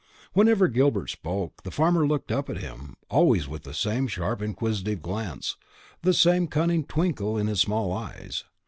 Whenever Gilbert spoke, the farmer looked up at him, always with the same sharp inquisitive glance, the same cunning twinkle in his small eyes.